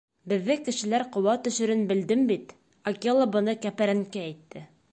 — Беҙҙе кешеләр ҡыуа төшөрөн белдем бит, — Акела быны кәпәренке әйтте.